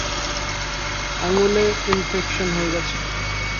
আঙুলে ইনফেকশন হয়ে গেছে!